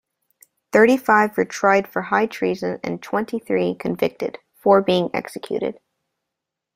Thirty-five were tried for high treason and twenty-three convicted; four being executed.